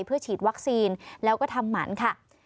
เพื่อฉีดวัคซีนแล้วก็ทำหมันค่ะ